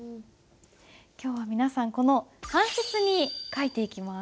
今日は皆さんこの半切に書いていきます。